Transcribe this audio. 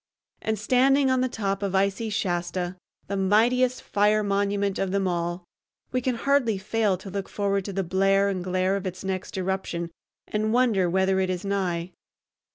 And, standing on the top of icy Shasta, the mightiest fire monument of them all, we can hardly fail to look forward to the blare and glare of its next eruption and wonder whether it is nigh.